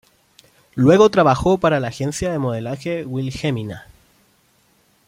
Luego trabajó para la Agencia de Modelaje Wilhelmina.